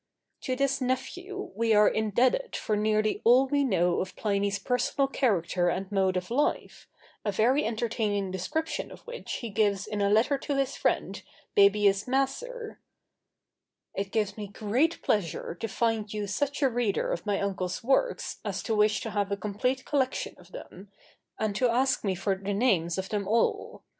To this nephew we are indebted for nearly all we know of Pliny's personal character and mode of life, a very entertaining description of which he gives in a letter to his friend, Baebius Macer: "It gives me great pleasure to find you such a reader of my uncle's works as to wish to have a complete collection of them, and to ask me for the names of them all.